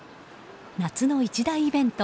夏の一大イベント